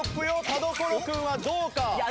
田所君はどうか？